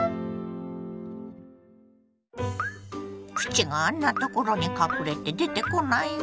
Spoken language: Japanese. プチがあんなところに隠れて出てこないわ。